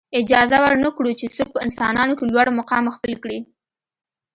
اجازه ورنه کړو چې څوک په انسانانو کې لوړ مقام خپل کړي.